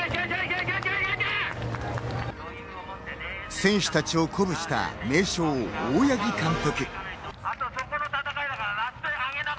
選手たちを鼓舞した名将・大八木監督。